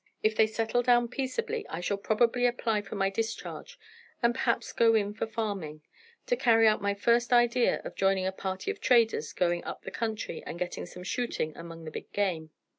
If they settle down peaceably I shall probably apply for my discharge, and perhaps go in for farming, or carry out my first idea of joining a party of traders going up the country, and getting some shooting among the big game.